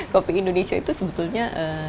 kopi indonesia itu sebetulnya